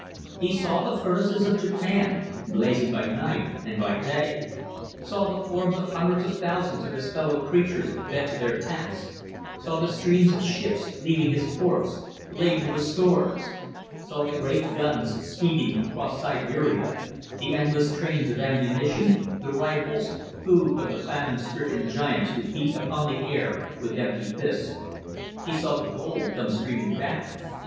He saw the furnaces of Japan, blazing by night and day; saw the forms of hundreds of thousands of his fellow creatures bent to their task; saw the streams of ships leaving his ports, laden down with stores; saw the great guns speeding across Siberia, the endless trains of ammunition, the rifles, food for the famine stricken giants who beat upon the air with empty fists. He saw the gold come streaming back.